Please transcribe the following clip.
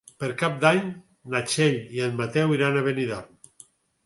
Per Cap d'Any na Txell i en Mateu iran a Benidorm.